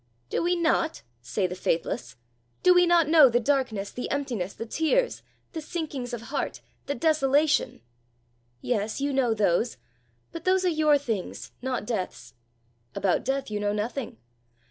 "Do we not!" say the faithless. "Do we not know the darkness, the emptiness, the tears, the sinkings of heart, the desolation!" Yes, you know those; but those are your things, not death's. About death you know nothing.